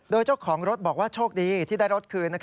โดยเจ้าของรถบอกว่าโชคดีที่ได้รถคืน